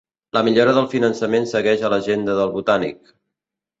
La millora del finançament segueix a l'agenda del Botànic